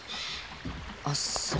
あっそれ